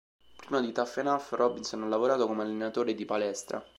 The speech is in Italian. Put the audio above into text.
Prima di Tough Enough, Robinson ha lavorato come allenatore di palestra.